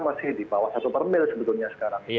masih di bawah satu per mil sebetulnya sekarang